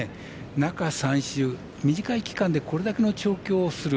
中３週、短い期間でこれだけの調教をする。